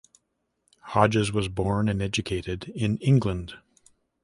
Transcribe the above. Hodges was born and educated in England.